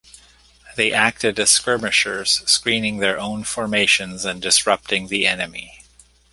They acted as skirmishers, screening their own formations and disrupting the enemy.